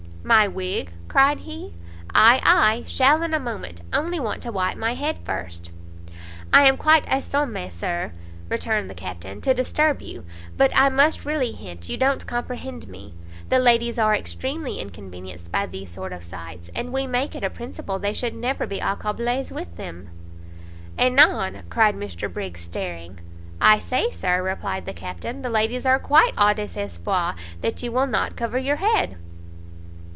"My wig?" cried he, "ay, ay, shall in a moment, only want to wipe my head first." "I am quite assommé, Sir," returned the Captain, "to disturb you, but I must really hint you don't comprehend me; the ladies are extremely inconvenienced by these sort of sights, and we make it a principle they should never be accablées with them." "Anan!" cried Mr Briggs, staring. "I say, Sir," replied the Captain, "the ladies are quite au desespoir that you will not cover your head."